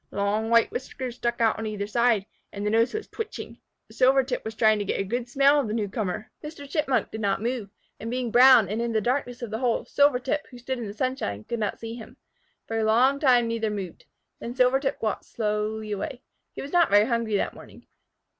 Long white whiskers stuck out on either side, and the nose was twitching. Silvertip was trying to get a good smell of the new comer. Mr. Chipmunk did not move, and being brown and in the darkness of the hole, Silvertip, who stood in the sunshine, could not see him. For a long time neither moved. Then Silvertip walked slowly away. He was not very hungry that morning.